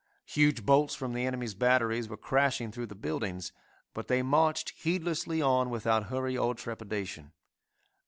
Huge bolts from the enemy's batteries were crashing through the buildings, but they marched heedlessly on without hurry or trepidation.